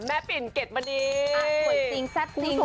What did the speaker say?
แม่ปินเกดประนีสวยจริงแซ่บจริงดู